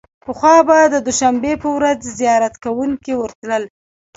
پخوا به د دوشنبې په ورځ زیارت کوونکي ورتلل.